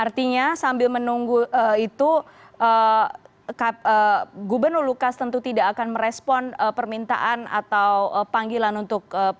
artinya sambil menunggu itu gubernur lukas tentu tidak akan merespon permintaan atau panggilan untuk